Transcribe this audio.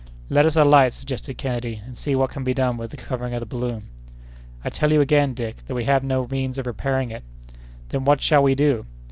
"Let us alight," suggested Kennedy, "and see what can be done with the covering of the balloon." "I tell you, again, Dick, that we have no means of repairing it." "Then what shall we do?"